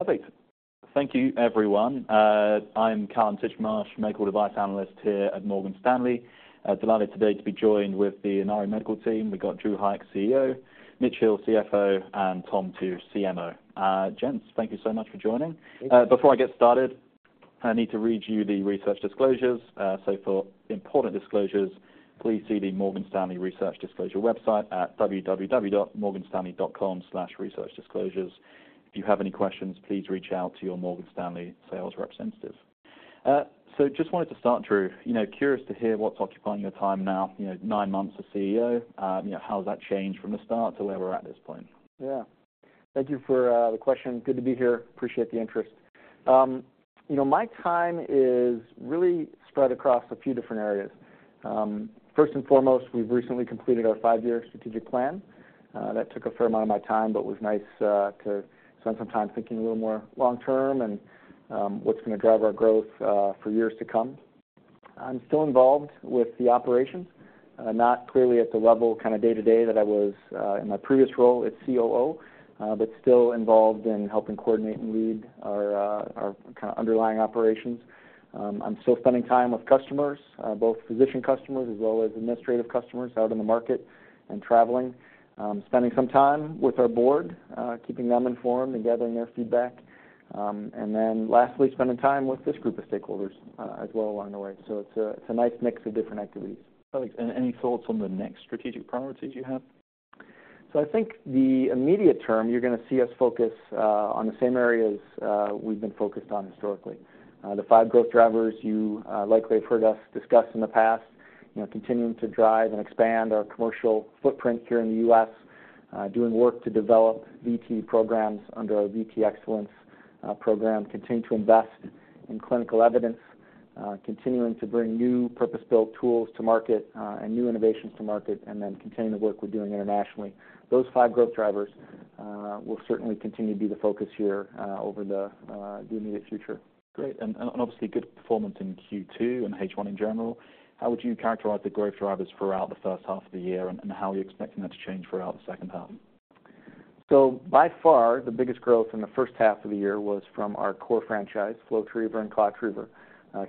Perfect. Thank you, everyone. I'm Kallum Titchmarsh, Medical Device Analyst here at Morgan Stanley. Delighted today to be joined with the Inari Medical team. We've got Drew Hykes, CEO, Mitch Hill, CFO, and Tom Tu, CMO. Gents, thank you so much for joining. Before I get started, I need to read you the research disclosures. So for important disclosures, please see the Morgan Stanley research disclosure website at www.morganstanley.com/researchdisclosures. If you have any questions, please reach out to your Morgan Stanley sales representative. So just wanted to start, Drew, you know, curious to hear what's occupying your time now, you know, nine months as CEO. You know, how has that changed from the start to where we're at this point? Yeah. Thank you for the question. Good to be here. Appreciate the interest. You know, my time is really spread across a few different areas. First and foremost, we've recently completed our five-year strategic plan. That took a fair amount of my time, but was nice to spend some time thinking a little more long term and what's gonna drive our growth for years to come. I'm still involved with the operations, not clearly at the level, kind of day-to-day that I was in my previous role as COO, but still involved in helping coordinate and lead our kind of underlying operations. I'm still spending time with customers, both physician customers as well as administrative customers out in the market and traveling. Spending some time with our board, keeping them informed and gathering their feedback. And then lastly, spending time with this group of stakeholders, as well along the way. So it's a nice mix of different activities. Perfect. Any thoughts on the next strategic priorities you have? So I think the immediate term, you're gonna see us focus on the same areas we've been focused on historically. The five growth drivers you likely have heard us discuss in the past, you know, continuing to drive and expand our commercial footprint here in the U.S., doing work to develop VTE programs under our VTE Excellence program, continue to invest in clinical evidence, continuing to bring new purpose-built tools to market, and new innovations to market, and then continuing the work we're doing internationally. Those five growth drivers will certainly continue to be the focus here over the immediate future. Great. And obviously, good performance in Q2 and H1 in general. How would you characterize the growth drivers throughout the first half of the year, and how are you expecting that to change throughout the second half? By far, the biggest growth in the first half of the year was from our core franchise, FlowTriever and ClotTriever,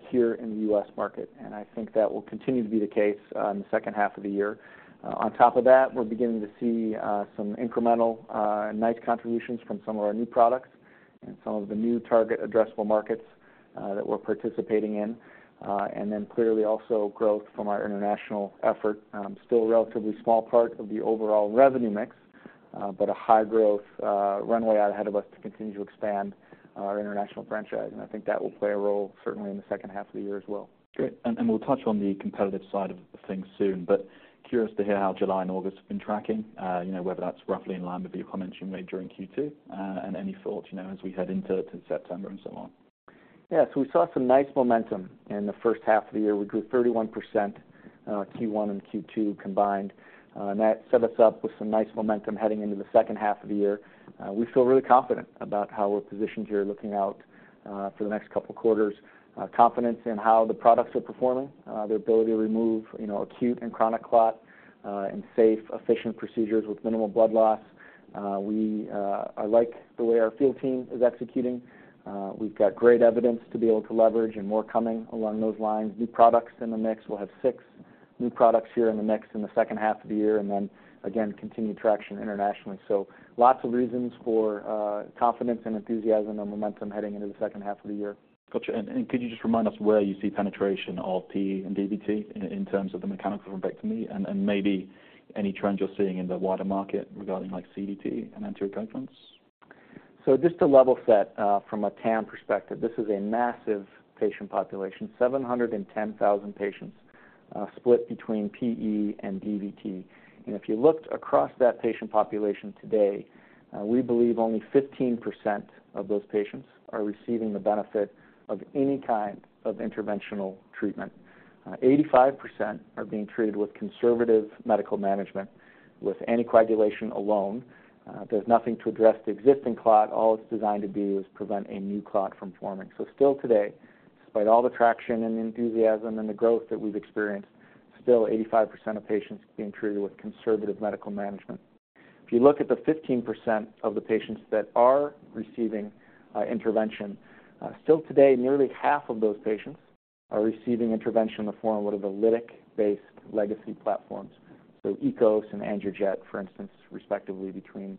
here in the U.S. market, and I think that will continue to be the case in the second half of the year. On top of that, we're beginning to see some incremental nice contributions from some of our new products and some of the new target addressable markets that we're participating in. And then clearly also growth from our international effort. Still a relatively small part of the overall revenue mix, but a high growth runway out ahead of us to continue to expand our international franchise. And I think that will play a role certainly in the second half of the year as well. Great, and we'll touch on the competitive side of things soon, but curious to hear how July and August have been tracking, you know, whether that's roughly in line with the comments you made during Q2, and any thoughts, you know, as we head into September and so on. Yeah. So we saw some nice momentum in the first half of the year. We grew 31%, Q1 and Q2 combined, and that set us up with some nice momentum heading into the second half of the year. We feel really confident about how we're positioned here, looking out, for the next couple of quarters. Confidence in how the products are performing, their ability to remove, you know, acute and chronic clot, and safe, efficient procedures with minimal blood loss. We... I like the way our field team is executing. We've got great evidence to be able to leverage and more coming along those lines. New products in the mix. We'll have 6 new products here in the mix in the second half of the year and then, again, continued traction internationally. Lots of reasons for confidence and enthusiasm and momentum heading into the second half of the year. Got you. And could you just remind us where you see penetration of PE and DVT in terms of the mechanical thrombectomy and maybe any trends you're seeing in the wider market regarding, like, CDT and alternative treatments? So just to level set, from a TAM perspective, this is a massive patient population, 710,000 patients, split between PE and DVT. And if you looked across that patient population today, we believe only 15% of those patients are receiving the benefit of any kind of interventional treatment. 85% are being treated with conservative medical management, with anticoagulation alone. There's nothing to address the existing clot. All it's designed to do is prevent a new clot from forming. So still today, despite all the traction and enthusiasm and the growth that we've experienced, still 85% of patients are being treated with conservative medical management. If you look at the 15% of the patients that are receiving intervention still today, nearly half of those patients are receiving intervention in the form of a lytic-based legacy platforms, so EKOS and AngioJet, for instance, respectively between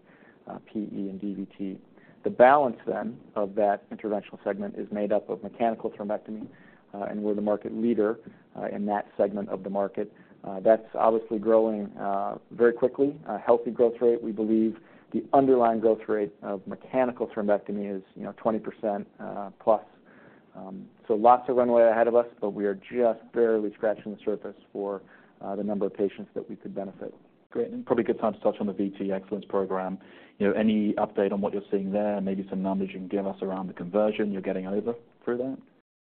PE and DVT. The balance then of that interventional segment is made up of mechanical thrombectomy, and we're the market leader in that segment of the market. That's obviously growing very quickly, a healthy growth rate. We believe the underlying growth rate of mechanical thrombectomy is, you know, 20%+. So lots of runway ahead of us, but we are just barely scratching the surface for the number of patients that we could benefit. Great, and probably a good time to touch on the VTE Excellence program. You know, any update on what you're seeing there? Maybe some numbers you can give us around the conversion you're getting over for that?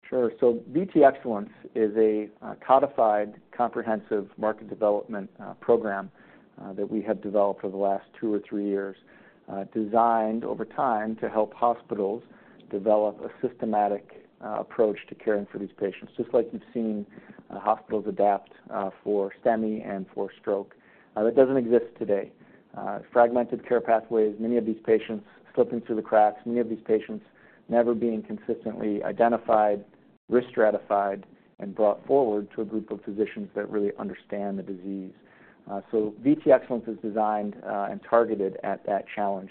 Sure. So VTE Excellence is a codified, comprehensive market development program that we have developed over the last two or three years, designed over time to help hospitals develop a systematic approach to caring for these patients, just like you've seen hospitals adapt for STEMI and for stroke. That doesn't exist today. Fragmented care pathways, many of these patients slipping through the cracks, many of these patients never being consistently identified, risk stratified, and brought forward to a group of physicians that really understand the disease. So VTE Excellence is designed and targeted at that challenge.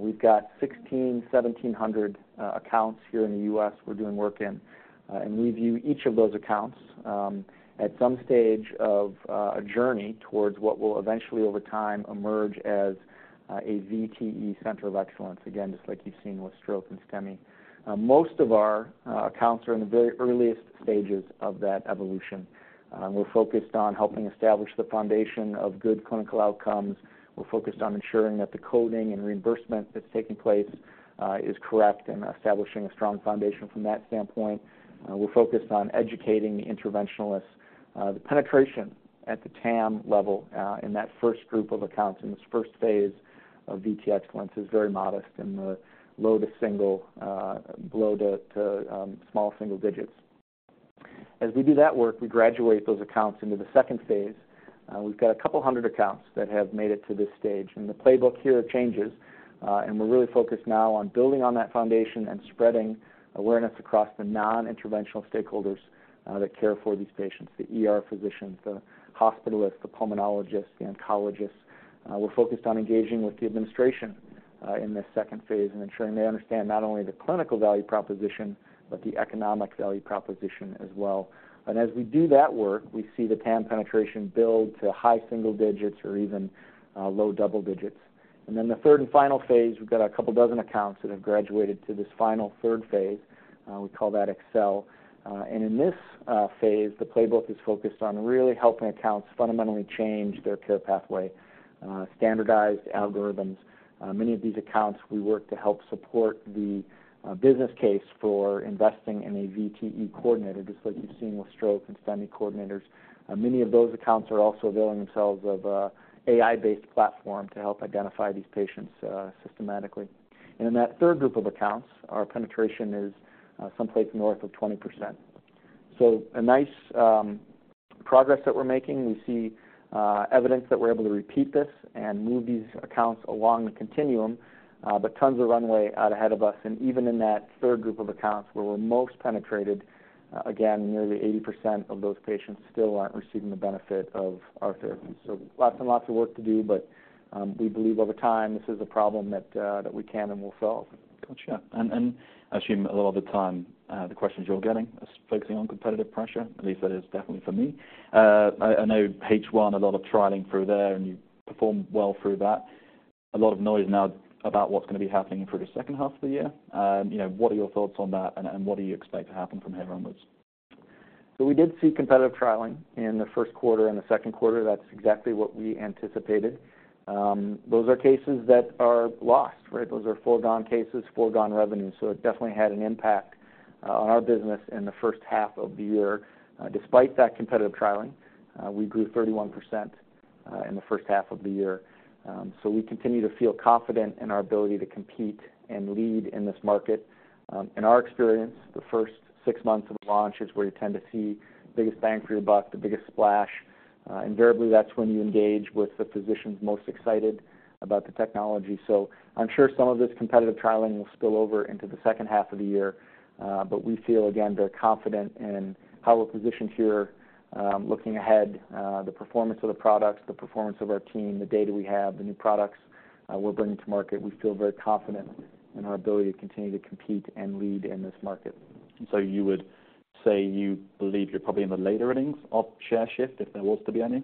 We've got 1,600-1,700 accounts here in the U.S. we're doing work in, and we view each of those accounts at some stage of a journey towards what will eventually, over time, emerge as a VTE center of excellence, again, just like you've seen with stroke and STEMI. Most of our accounts are in the very earliest stages of that evolution. We're focused on helping establish the foundation of good clinical outcomes. We're focused on ensuring that the coding and reimbursement that's taking place is correct and establishing a strong foundation from that standpoint. We're focused on educating the interventionalists. The penetration at the TAM level in that first group of accounts, in this first phase of VTE Excellence, is very modest and low single digits. As we do that work, we graduate those accounts into the second phase. We've got a couple hundred accounts that have made it to this stage, and the playbook here changes, and we're really focused now on building on that foundation and spreading awareness across the non-interventional stakeholders that care for these patients, the ER physicians, the hospitalists, the pulmonologists, the oncologists. We're focused on engaging with the administration in this second phase and ensuring they understand not only the clinical value proposition, but the economic value proposition as well. And as we do that work, we see the TAM penetration build to high single digits or even low double digits. And then the third and final phase, we've got a couple dozen accounts that have graduated to this final third phase. We call that Excel. And in this phase, the playbook is focused on really helping accounts fundamentally change their care pathway, standardized algorithms. Many of these accounts, we work to help support the business case for investing in a VTE coordinator, just like you've seen with stroke and STEMI coordinators. Many of those accounts are also availing themselves of AI-based platform to help identify these patients systematically. And in that third group of accounts, our penetration is someplace north of 20%. So a nice progress that we're making. We see evidence that we're able to repeat this and move these accounts along the continuum, but tons of runway out ahead of us. And even in that third group of accounts where we're most penetrated, again, nearly 80% of those patients still aren't receiving the benefit of our therapies. Lots and lots of work to do, but we believe over time, this is a problem that we can and will solve. Gotcha. And, and I assume a lot of the time, the questions you're getting is focusing on competitive pressure, at least that is definitely for me. I know H1, a lot of trialing through there, and you performed well through that. A lot of noise now about what's gonna be happening through the second half of the year. You know, what are your thoughts on that, and, and what do you expect to happen from here onwards? So we did see competitive trialing in the first quarter and the second quarter. That's exactly what we anticipated. Those are cases that are lost, right? Those are foregone cases, foregone revenue. So it definitely had an impact, on our business in the first half of the year. Despite that competitive trialing, we grew 31%, in the first half of the year. So we continue to feel confident in our ability to compete and lead in this market. In our experience, the first six months of launch is where you tend to see the biggest bang for your buck, the biggest splash. Invariably, that's when you engage with the physicians most excited about the technology. So I'm sure some of this competitive trialing will spill over into the second half of the year, but we feel, again, very confident in how we're positioned here. Looking ahead, the performance of the products, the performance of our team, the data we have, the new products we're bringing to market, we feel very confident in our ability to continue to compete and lead in this market. You would say you believe you're probably in the later innings of share shift, if there was to be any?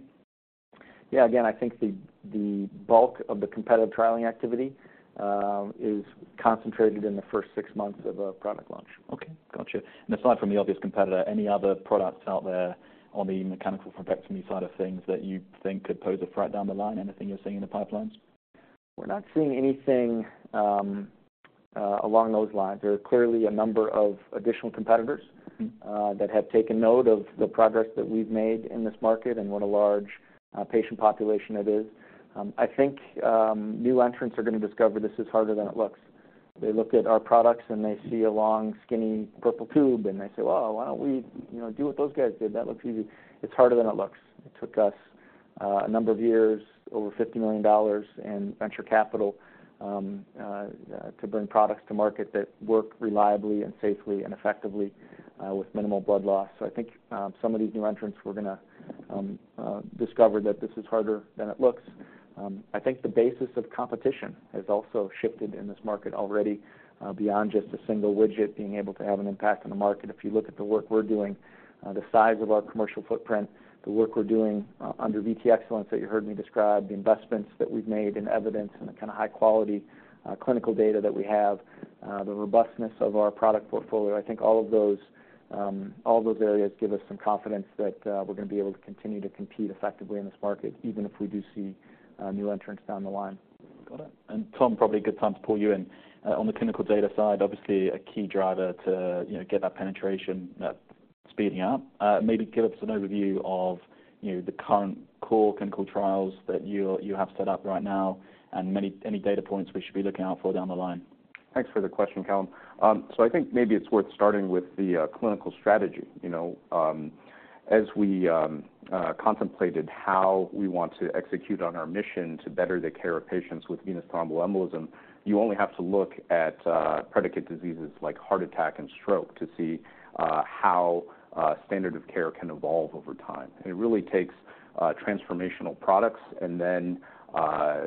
Yeah. Again, I think the bulk of the competitive trialing activity is concentrated in the first six months of a product launch. Okay, gotcha. And aside from the obvious competitor, any other products out there on the mechanical thrombectomy side of things that you think could pose a threat down the line? Anything you're seeing in the pipelines? We're not seeing anything, along those lines. There are clearly a number of additional competitors- Mm-hmm. that have taken note of the progress that we've made in this market and what a large patient population it is. I think new entrants are gonna discover this is harder than it looks. They look at our products, and they see a long, skinny purple tube, and they say, "Well, why don't we, you know, do what those guys did? That looks easy." It's harder than it looks. It took us a number of years, over $50 million in venture capital, to bring products to market that work reliably and safely and effectively, with minimal blood loss. So I think some of these new entrants we're gonna discover that this is harder than it looks. I think the basis of competition has also shifted in this market already, beyond just a single widget being able to have an impact on the market. If you look at the work we're doing, the size of our commercial footprint, the work we're doing under VTE Excellence that you heard me describe, the investments that we've made in evidence and the kind of high-quality clinical data that we have, the robustness of our product portfolio, I think all of those, all those areas give us some confidence that we're gonna be able to continue to compete effectively in this market, even if we do see new entrants down the line. Got it. And Tom, probably a good time to pull you in. On the clinical data side, obviously a key driver to, you know, get that penetration speeding up. Maybe give us an overview of, you know, the current core clinical trials that you have set up right now, and any data points we should be looking out for down the line. Thanks for the question, Kallum. So I think maybe it's worth starting with the clinical strategy. You know, as we contemplated how we want to execute on our mission to better the care of patients with venous thromboembolism, you only have to look at predicate diseases like heart attack and stroke to see how standard of care can evolve over time. And it really takes transformational products and then,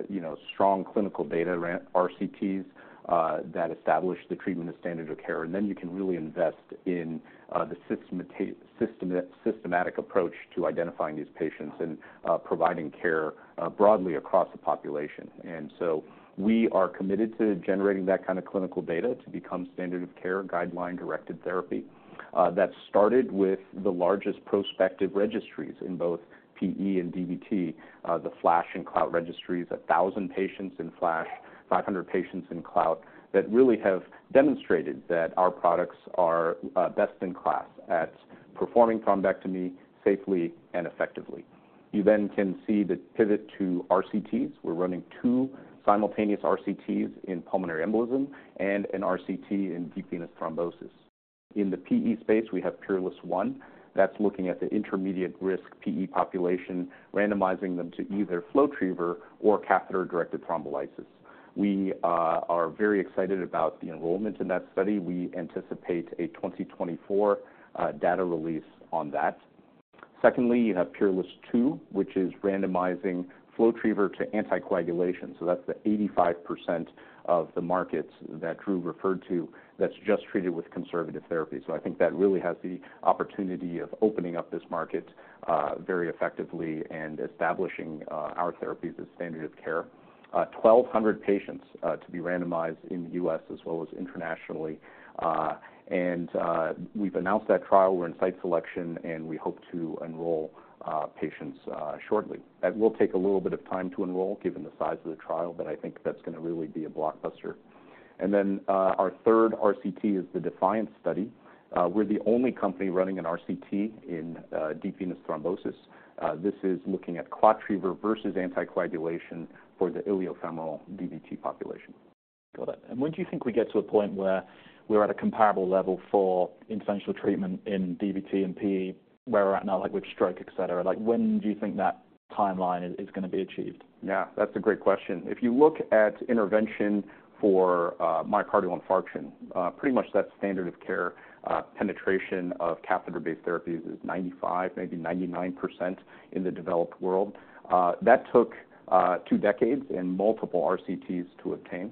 you know, strong clinical data around RCTs that establish the treatment of standard of care. And then you can really invest in the systematic approach to identifying these patients and providing care broadly across the population. And so we are committed to generating that kind of clinical data to become standard of care, guideline-directed therapy. That started with the largest prospective registries in both PE and DVT, the FLASH and CLOUT registries, 1,000 patients in FLASH, 500 patients in CLOUT, that really have demonstrated that our products are best in class at performing thrombectomy safely and effectively. You then can see the pivot to RCTs. We're running two simultaneous RCTs in pulmonary embolism and an RCT in deep venous thrombosis. In the PE space, we have PEERLESS. That's looking at the intermediate risk PE population, randomizing them to either FlowTriever or catheter-directed thrombolysis. We are very excited about the enrollment in that study. We anticipate a 2024 data release on that. Secondly, you have PEERLESS II, which is randomizing FlowTriever to anticoagulation, so that's the 85% of the markets that Drew referred to that's just treated with conservative therapy. So I think that really has the opportunity of opening up this market, very effectively and establishing, our therapies as standard of care. 1,200 patients, to be randomized in the US as well as internationally. And, we've announced that trial. We're in site selection, and we hope to enroll, patients, shortly. That will take a little bit of time to enroll, given the size of the trial, but I think that's going to really be a blockbuster. And then, our third RCT is the DEFIANCE study. We're the only company running an RCT in, deep vein thrombosis. This is looking at ClotTriever versus anticoagulation for the iliofemoral DVT population. Got it. When do you think we get to a point where we're at a comparable level for interventional treatment in DVT and PE, where we're at now, like with stroke, et cetera? Like, when do you think that timeline is, is going to be achieved? Yeah, that's a great question. If you look at intervention for myocardial infarction, pretty much that standard of care, penetration of catheter-based therapies is 95%, maybe 99% in the developed world. That took 2 decades and multiple RCTs to obtain.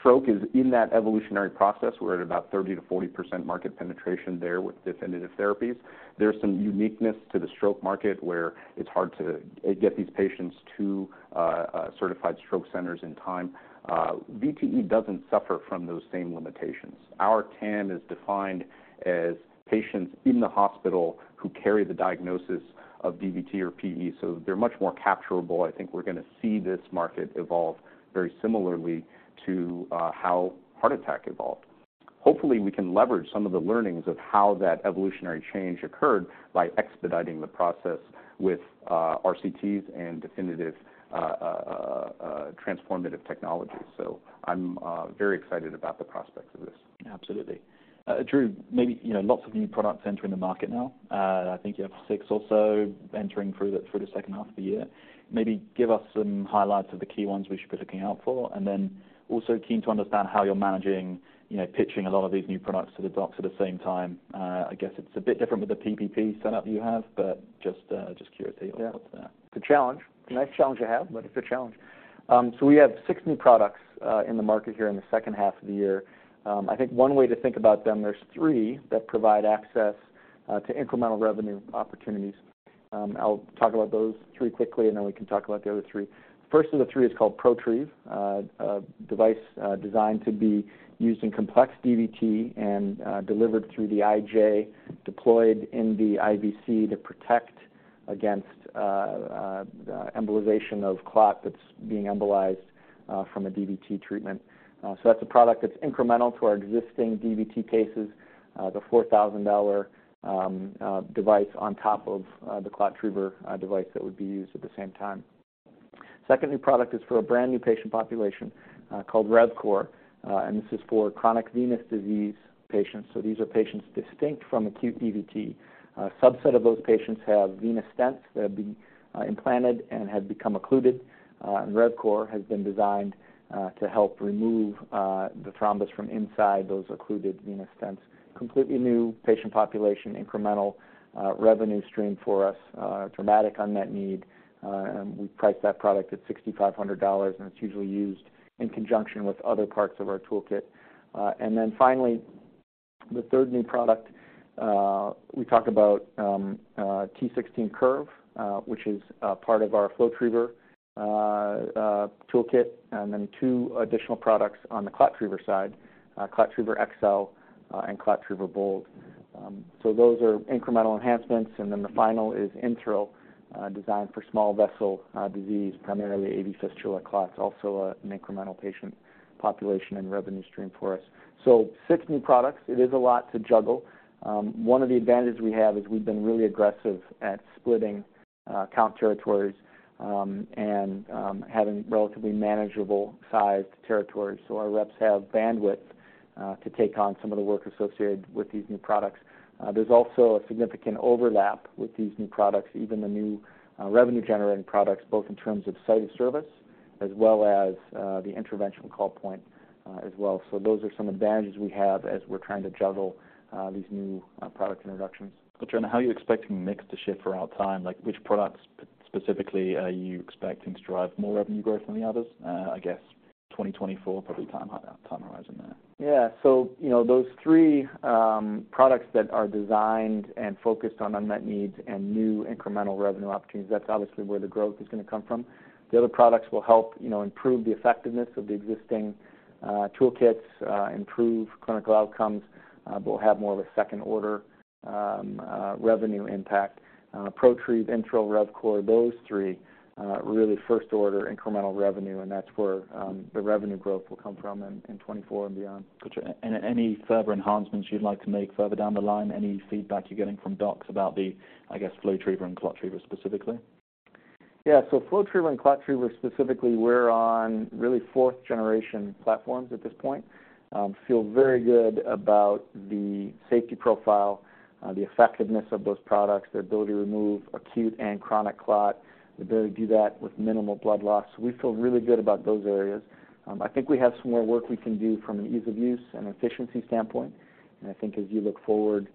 Stroke is in that evolutionary process. We're at about 30%-40% market penetration there with definitive therapies. There's some uniqueness to the stroke market, where it's hard to get these patients to certified stroke centers in time. VTE doesn't suffer from those same limitations. Our TAM is defined as patients in the hospital who carry the diagnosis of DVT or PE, so they're much more capturable. I think we're going to see this market evolve very similarly to how heart attack evolved. Hopefully, we can leverage some of the learnings of how that evolutionary change occurred by expediting the process with RCTs and definitive transformative technologies. So I'm very excited about the prospects of this. Absolutely. Drew, maybe, you know, lots of new products entering the market now. I think you have six or so entering through the second half of the year. Maybe give us some highlights of the key ones we should be looking out for, and then also keen to understand how you're managing, you know, pitching a lot of these new products to the docs at the same time. I guess it's a bit different with the PPP setup you have, but just, just curiosity on what's there. Yeah. It's a challenge. Nice challenge to have, but it's a challenge. So we have 6 new products in the market here in the second half of the year. I think one way to think about them, there's 3 that provide access to incremental revenue opportunities. I'll talk about those 3 quickly, and then we can talk about the other 3. First of the 3 is called Protrieve, a device designed to be used in complex DVT and delivered through the IJ, deployed in the IVC to protect against embolization of clot that's being embolized from a DVT treatment. So that's a product that's incremental to our existing DVT cases, the $4,000 device on top of the ClotTriever device that would be used at the same time. Second new product is for a brand-new patient population, called RevCore, and this is for chronic venous disease patients. So these are patients distinct from acute DVT. A subset of those patients have venous stents that have been implanted and have become occluded, and RevCore has been designed to help remove the thrombus from inside those occluded venous stents. Completely new patient population, incremental revenue stream for us, dramatic unmet need, and we price that product at $6,500, and it's usually used in conjunction with other parts of our toolkit. And then finally, the third new product we talked about, Triever16 Curve, which is part of our FlowTriever toolkit, and then two additional products on the ClotTriever side, ClotTriever XL, and ClotTriever BOLD.... So those are incremental enhancements, and then the final is InThrill, designed for small vessel disease, primarily AV fistula clots, also an incremental patient population and revenue stream for us. So six new products, it is a lot to juggle. One of the advantages we have is we've been really aggressive at splitting count territories, and having relatively manageable sized territories. So our reps have bandwidth to take on some of the work associated with these new products. There's also a significant overlap with these new products, even the new revenue-generating products, both in terms of site of service as well as the interventional call point, as well. So those are some advantages we have as we're trying to juggle these new product introductions. Got you. And how are you expecting the mix to shift around time? Like, which products specifically, are you expecting to drive more revenue growth than the others? I guess 2024, probably time horizon there. Yeah. So, you know, those three products that are designed and focused on unmet needs and new incremental revenue opportunities, that's obviously where the growth is going to come from. The other products will help, you know, improve the effectiveness of the existing toolkits, improve clinical outcomes, but we'll have more of a second-order revenue impact. Protrieve, InThrill, RevCore, those three really first order incremental revenue, and that's where the revenue growth will come from in 2024 and beyond. Got you. And any further enhancements you'd like to make further down the line? Any feedback you're getting from docs about the, I guess, FlowTriever and ClotTriever specifically? Yeah. So FlowTriever and ClotTriever, specifically, we're on really fourth generation platforms at this point. Feel very good about the safety profile, the effectiveness of those products, their ability to remove acute and chronic clot, the ability to do that with minimal blood loss. So we feel really good about those areas. I think we have some more work we can do from an ease of use and efficiency standpoint. And I think as you look forward,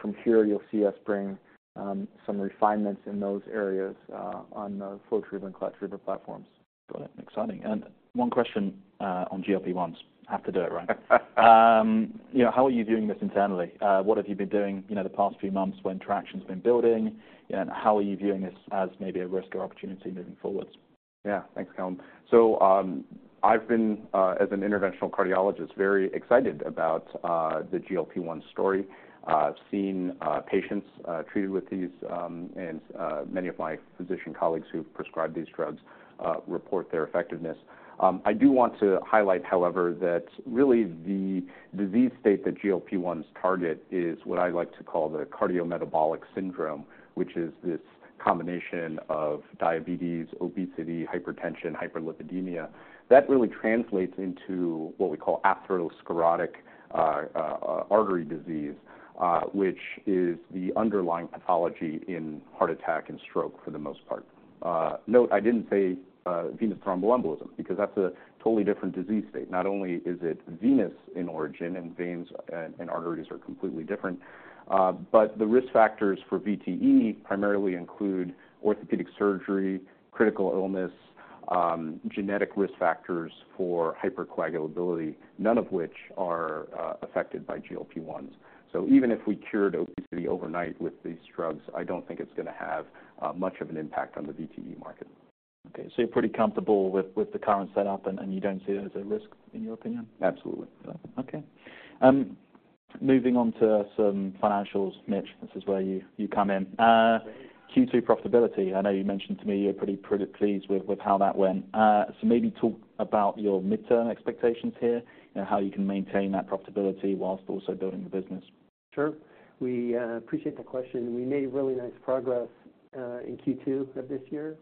from here, you'll see us bring, some refinements in those areas, on the FlowTriever and ClotTriever platforms. Got it. Exciting. And one question on GLP-1s. I have to do it right. You know, how are you doing this internally? What have you been doing, you know, the past few months when traction has been building? And how are you viewing this as maybe a risk or opportunity moving forward? Yeah. Thanks, Kallum. So, I've been, as an interventional cardiologist, very excited about the GLP-1 story. I've seen patients treated with these, and many of my physician colleagues who prescribe these drugs report their effectiveness. I do want to highlight, however, that really the disease state that GLP-1s target is what I like to call the cardiometabolic syndrome, which is this combination of diabetes, obesity, hypertension, hyperlipidemia. That really translates into what we call atherosclerotic artery disease, which is the underlying pathology in heart attack and stroke, for the most part. Note, I didn't say venous thromboembolism, because that's a totally different disease state. Not only is it venous in origin, and veins and arteries are completely different, but the risk factors for VTE primarily include orthopedic surgery, critical illness, genetic risk factors for hypercoagulability, none of which are affected by GLP-1s. So even if we cured obesity overnight with these drugs, I don't think it's going to have much of an impact on the VTE market. Okay, so you're pretty comfortable with the current setup, and you don't see it as a risk, in your opinion? Absolutely. Okay. Moving on to some financials, Mitch, this is where you, you come in. Q2 profitability, I know you mentioned to me you're pretty, pretty pleased with, with how that went. So maybe talk about your midterm expectations here and how you can maintain that profitability while also building the business. Sure. We appreciate the question. We made really nice progress in Q2 of this year.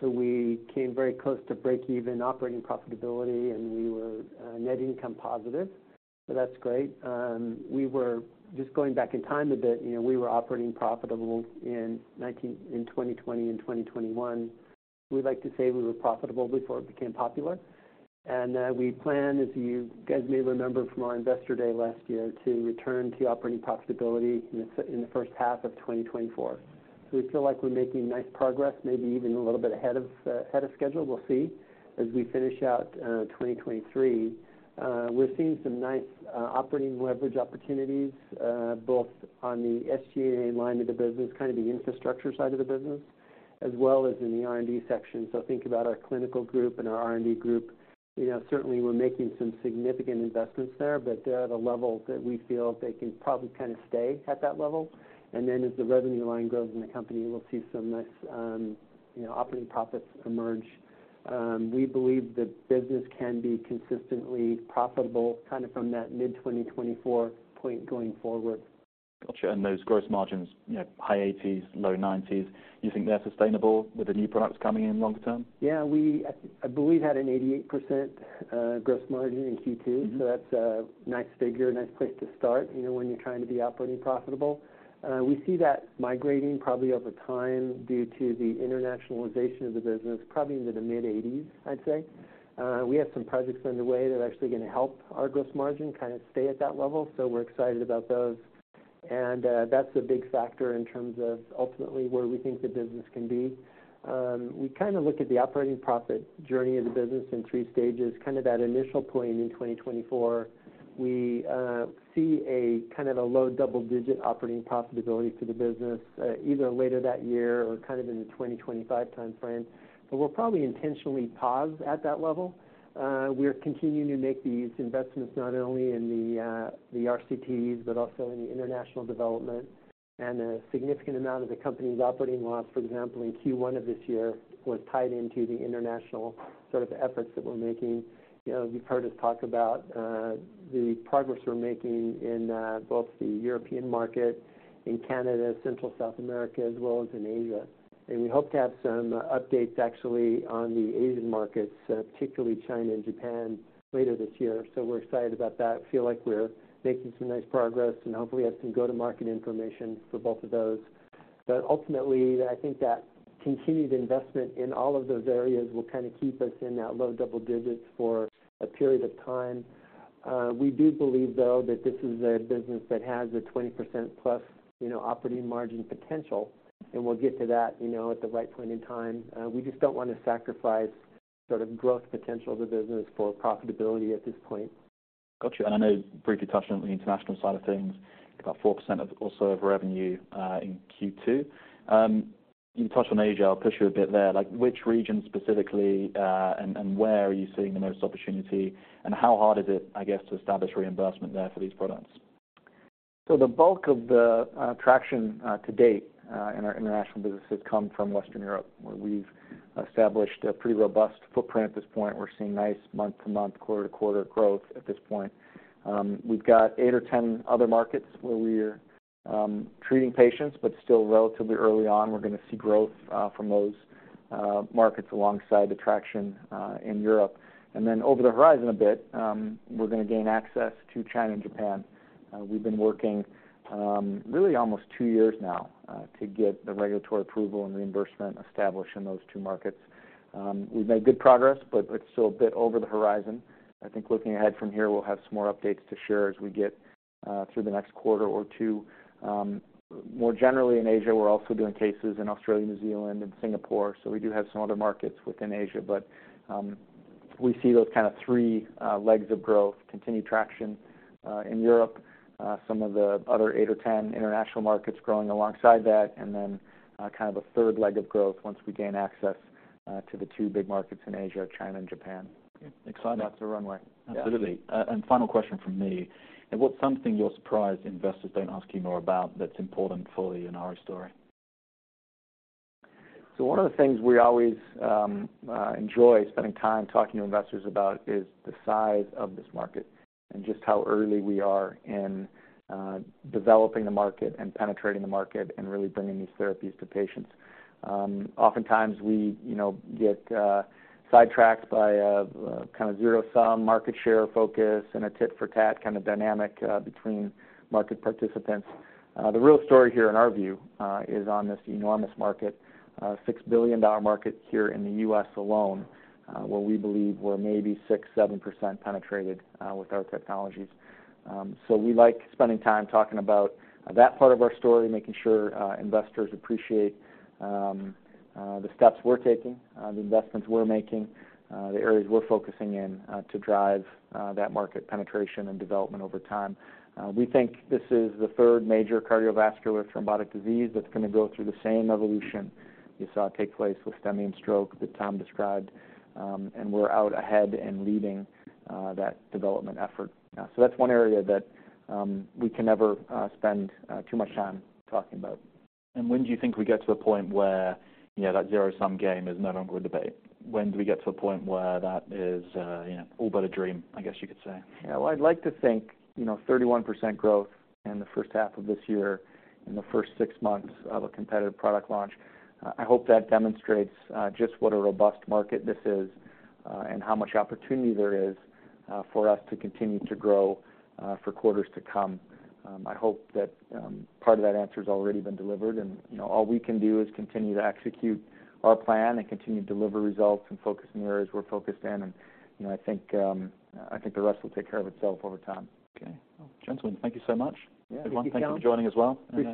So we came very close to break-even operating profitability, and we were net income positive, so that's great. We were just going back in time a bit, you know, we were operating profitable in 2020 and 2021. We like to say we were profitable before it became popular. We plan, as you guys may remember from our Investor Day last year, to return to operating profitability in the first half of 2024. So we feel like we're making nice progress, maybe even a little bit ahead of schedule. We'll see. As we finish out 2023, we're seeing some nice operating leverage opportunities both on the SG&A line of the business, kind of the infrastructure side of the business, as well as in the R&D section. So think about our clinical group and our R&D group. You know, certainly we're making some significant investments there, but they're at a level that we feel they can probably kind of stay at that level. And then as the revenue line grows in the company, we'll see some nice, you know, operating profits emerge. We believe the business can be consistently profitable kind of from that mid-2024 point going forward. Got you. And those gross margins, you know, high 80s%, low 90s%, you think they're sustainable with the new products coming in long term? Yeah, I believe we had an 88% gross margin in Q2. Mm-hmm. So that's a nice figure, a nice place to start, you know, when you're trying to be operating profitable. We see that migrating probably over time due to the internationalization of the business, probably into the mid-eighties, I'd say. We have some projects underway that are actually going to help our gross margin kind of stay at that level, so we're excited about those.... that's a big factor in terms of ultimately where we think the business can be. We kind of look at the operating profit journey of the business in three stages, kind of that initial point in 2024. We see a kind of a low double-digit operating profitability for the business, either later that year or kind of in the 2025 time frame. But we'll probably intentionally pause at that level. We're continuing to make these investments, not only in the RCTs, but also in the international development. A significant amount of the company's operating loss, for example, in Q1 of this year, was tied into the international sort of efforts that we're making. You know, you've heard us talk about the progress we're making in both the European market, in Canada, Central and South America, as well as in Asia. And we hope to have some updates actually on the Asian markets, particularly China and Japan, later this year. So we're excited about that, feel like we're making some nice progress and hopefully, have some go-to-market information for both of those. But ultimately, I think that continued investment in all of those areas will kind of keep us in that low double digits for a period of time. We do believe, though, that this is a business that has a 20% plus, you know, operating margin potential, and we'll get to that, you know, at the right point in time. We just don't want to sacrifice sort of growth potential of the business for profitability at this point. Got you. And I know briefly touched on the international side of things, about 4% of, also of revenue, in Q2. You touched on Asia, I'll push you a bit there. Like, which region specifically, and, and where are you seeing the most opportunity? And how hard is it, I guess, to establish reimbursement there for these products? So the bulk of the traction to date in our international business has come from Western Europe, where we've established a pretty robust footprint at this point. We're seeing nice month-to-month, quarter-to-quarter growth at this point. We've got eight or 10 other markets where we're treating patients, but still relatively early on. We're going to see growth from those markets alongside the traction in Europe. And then over the horizon a bit, we're going to gain access to China and Japan. We've been working really almost two years now to get the regulatory approval and reimbursement established in those two markets. We've made good progress, but it's still a bit over the horizon. I think looking ahead from here, we'll have some more updates to share as we get through the next quarter or two. More generally in Asia, we're also doing cases in Australia, New Zealand and Singapore, so we do have some other markets within Asia. But, we see those kind of three legs of growth, continued traction in Europe, some of the other eight or 10 international markets growing alongside that, and then, kind of a third leg of growth once we gain access to the two big markets in Asia, China and Japan. Okay. Exciting. That's the runway. Absolutely. Final question from me: and what's something you're surprised investors don't ask you more about that's important for the Inari story? So one of the things we always enjoy spending time talking to investors about is the size of this market and just how early we are in developing the market and penetrating the market and really bringing these therapies to patients. Oftentimes we, you know, get sidetracked by a kind of zero-sum market share focus and a tit-for-tat kind of dynamic between market participants. The real story here, in our view, is on this enormous market, a $6 billion market here in the U.S. alone, where we believe we're maybe 6%-7% penetrated with our technologies. So we like spending time talking about that part of our story, making sure investors appreciate the steps we're taking, the investments we're making, the areas we're focusing in to drive that market penetration and development over time. We think this is the third major cardiovascular thrombotic disease that's going to go through the same evolution you saw take place with STEMI that Tom described, and we're out ahead and leading that development effort. So that's one area that we can never spend too much time talking about. When do you think we get to a point where, you know, that zero-sum game is no longer a debate? When do we get to a point where that is, you know, all but a dream, I guess you could say? Yeah. Well, I'd like to think, you know, 31% growth in the first half of this year, in the first six months of a competitive product launch, I hope that demonstrates just what a robust market this is, and how much opportunity there is for us to continue to grow for quarters to come. I hope that part of that answer has already been delivered, and, you know, all we can do is continue to execute our plan and continue to deliver results and focus in the areas we're focused in. And, you know, I think the rest will take care of itself over time. Okay. Gentlemen, thank you so much. Yeah. Thank you. Everyone, thank you for joining as well, and-